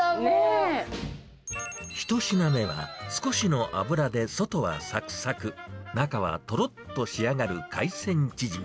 １品目は、少しの油で外はさくさく、中はとろっと仕上がる海鮮チヂミ。